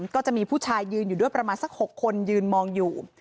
ก็จะมีผู้ชายยืนอยู่ด้วยประมาณสัก๖คนยืนมองอยู่